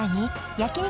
焼肉